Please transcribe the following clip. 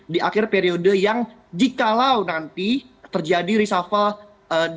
di akhir periode yang jikalau nanti terjadi risa falk